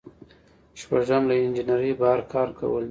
شپږم له انجنیری بهر کار کول دي.